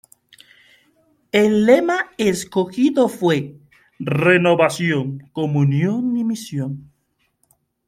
El lema escogido fue: Renovación, comunión y misión.